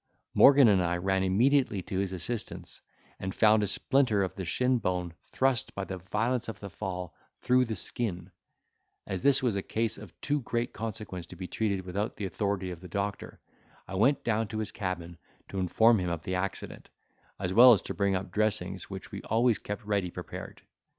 Morgan and I ran immediately to his assistance, and found a splinter of the shin bone thrust by the violence of the fall through the skin; as this was a case of too great consequence to be treated without the authority of the doctor I went down to his cabin to inform him of the accident, as well as to bring up dressings which we always kept ready prepared.